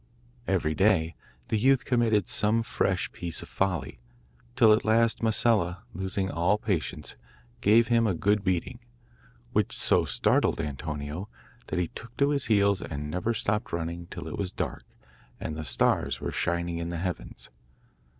Every day the youth committed some fresh piece of folly, till at last Masella, losing all patience, gave him a good beating, which so startled Antonio that he took to his heels and never stopped running till it was dark and the stars were shining in the heavens.